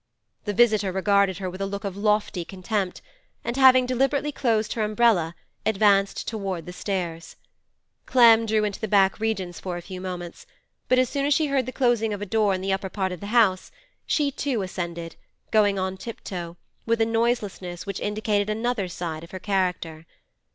The visitor regarded her with a look of lofty contempt, and, having deliberately closed her umbrella, advanced towards the stairs. Clem drew into the back regions for a few moments, but as soon as she heard the closing of a door in the upper part of the house, she too ascended, going on tip toe, with a noiselessness which indicated another side of her character.